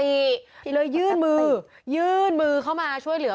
เลยยื่นมือยื่นมือเข้ามาช่วยเหลือ